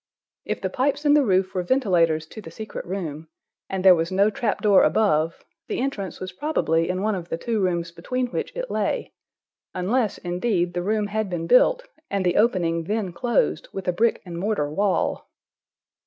If the pipes in the roof were ventilators to the secret room, and there was no trap door above, the entrance was probably in one of the two rooms between which it lay—unless, indeed, the room had been built, and the opening then closed with a brick and mortar wall.